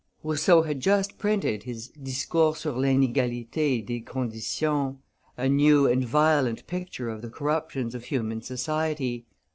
Rousseau had just printed his Discours sur l'Inegalite des conditions, a new and violent picture of the corruptions of human society.